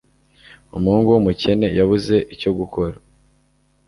Umuhungu wumukene yabuze icyo gukora.